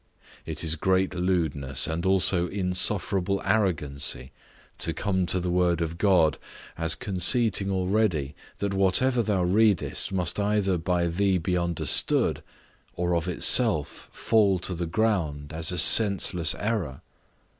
It is great lewdness, and also insufferable arrogancy, to come to the Word of God, as conceiting already that whatever thou readest must either by thee be understood, or of itself fall to the ground as a senseless error.